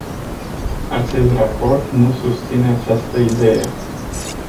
Acest raport nu susține această idee.